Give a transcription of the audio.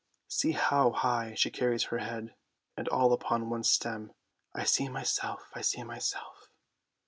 See how high she carries her head, and all upon one stem. I see myself, I see myself!